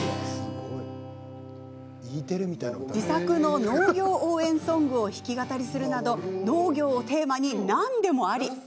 自作の農業応援ソングを弾き語りするなど農業をテーマに何でもあり。